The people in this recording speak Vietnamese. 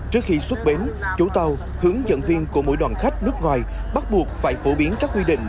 trước khi xuất bến chủ tàu hướng dẫn viên của mỗi đoàn khách nước ngoài bắt buộc phải phổ biến các quy định